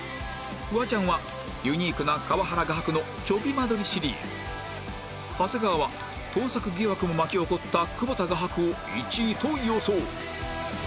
フワちゃんはユニークな河原画伯のチョビ間取りシリーズ長谷川は盗作疑惑も巻き起こった久保田画伯を１位と予想